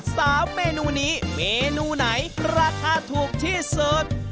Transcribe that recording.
เมนูนี้เมนูไหนราคาถูกที่สุด